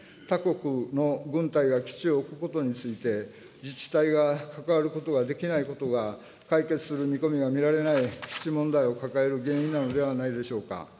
他国の軍隊が基地を置くことについて、自治体が関わることができないことが、解決する見込みが見られない基地問題を抱える原因なのではないでしょうか。